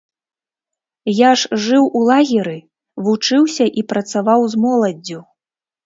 Я ж жыў у лагеры, вучыўся і працаваў з моладдзю.